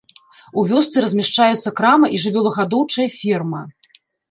У вёсцы размяшчаюцца крама і жывёлагадоўчая ферма.